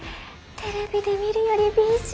テレビで見るより美人。